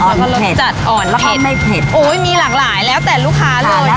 แล้วก็รสจัดอ่อนแล้วเผ็ดไม่เผ็ดโอ้ยมีหลากหลายแล้วแต่ลูกค้าเลย